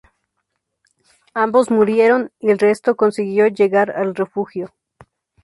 Ambos murieron y el resto consiguió llegar al refugio.